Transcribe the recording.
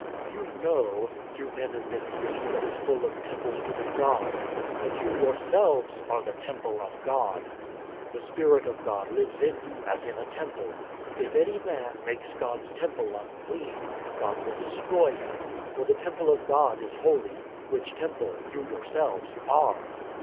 " You know (you men in this city that is full of temples to the gods) that you yourselves are the Temple of God. The Spirit of God lives in you, as in a temple. If any man makes God's temple un clean, God will destroy him, for the temple of God is holy, which temple you yourselves are."